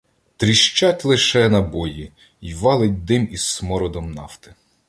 Тріщать лише набої, й валить дим зі смородом нафти.